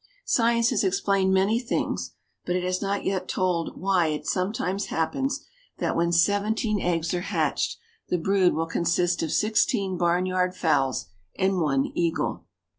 Science has explained many things, but it has not yet told why it sometimes happens that when seventeen eggs are hatched, the brood will consist of sixteen barnyard fowls and one eagle.